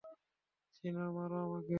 চিনো, মারো আমাকে!